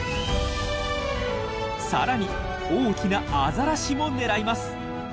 更に大きなアザラシも狙います。